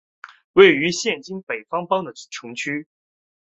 位于现今北方邦的地区。